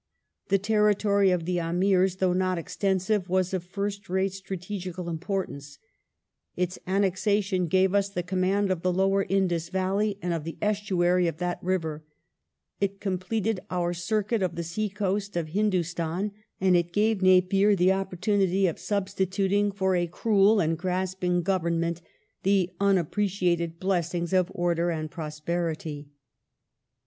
The territory of the ^ Amirs, though not extensive, was of first rate strategical impor tanca Its annexation gave us the command of the lower Indus valley and of the estuary of that river ; it completed our circuit of the sea coast of Hindustan, and it gave Napier the opportunity of ubstituting for a cruel and grasping Government the unappreciated blessings of order and prosperity.